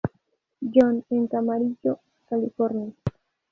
John en Camarillo, California.